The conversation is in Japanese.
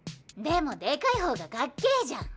でもでかい方がかっけぇじゃん。